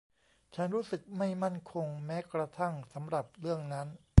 ฉันรู้สึกไม่มั่นคงแม้กระทั่งสำหรับเรื่องนั้น